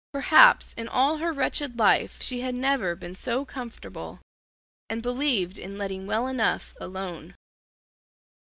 Perhaps in all her wretched life she had never been so comfortable, and believed in letting well enough alone.